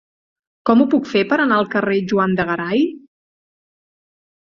Com ho puc fer per anar al carrer de Juan de Garay?